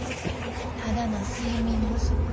ただの睡眠不足。